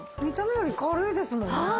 見た目より軽いですもんね。